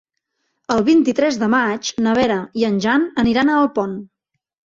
El vint-i-tres de maig na Vera i en Jan aniran a Alpont.